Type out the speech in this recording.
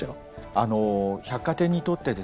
あの百貨店にとってですね